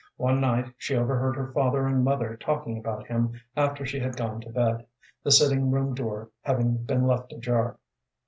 One night she overheard her father and mother talking about him after she had gone to bed, the sitting room door having been left ajar.